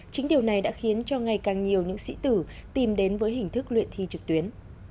chính điều này đã khiến cho ngày càng nhiều những sĩ tử tìm đến với hình thức luyện thi trực tuyến